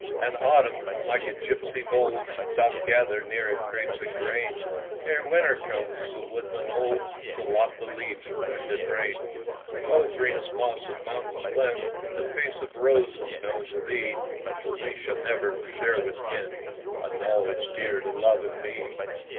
And Autumn, like a gipsy bold, Doth gather near it grapes and grain, Ere Winter comes, the woodman old, To lop the leaves in wind and rain. O, greenest moss of mountain glen, The face of Rose is known to thee; But we shall never share with men A knowledge dear to love and me!